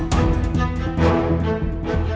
buat teman lu